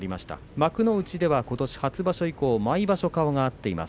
幕内では初場所以降ことしは毎場所顔が合っています。